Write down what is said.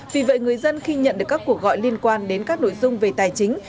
vì vậy người dân khi nhận được các cuộc gọi liên quan đến các nội dung về tài chính